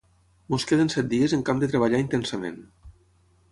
Ens queden set dies en què hem de treballar intensament.